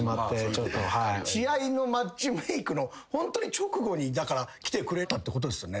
試合のマッチメークのホントに直後に来てくれたってことですよね。